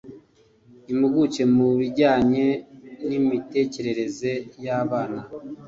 Impuguke mu bijyanye n’imitekerereze y’abana